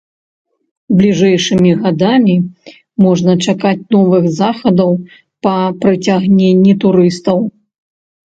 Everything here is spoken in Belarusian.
Бліжэйшымі гадамі можна чакаць новых захадаў па прыцягненні турыстаў.